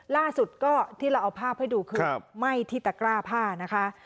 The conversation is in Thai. ล่าสุดก็ที่เราเอาภาพให้ดูคือไหม้ที่ตะกร้าผ้านะคะ